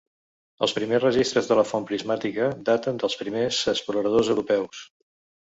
Els primers registres de la font prismàtica daten dels primers exploradors europeus.